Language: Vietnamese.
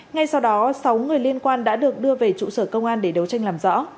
ngay sau đó sáu người liên quan đã được đưa về trụ sở công an để đấu tranh làm rõ